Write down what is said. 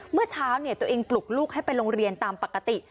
เมื่อเช้าตัวเองปลุกลูกให้ไปโรงเรียนตามปกติ